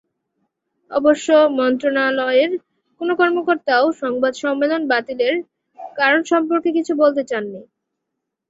অবশ্য মন্ত্রণালয়ের কোনো কর্মকর্তাও সংবাদ সম্মেলন বাতিলের কারণ সম্পর্কে কিছু বলতে চাননি।